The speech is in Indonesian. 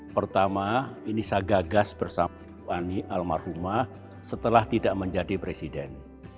pertama ini saya gagas bersama ani almarhumah setelah tidak menjadi presiden